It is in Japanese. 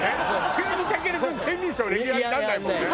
急に武尊君『ケンミンＳＨＯＷ』のレギュラーになんないもんね。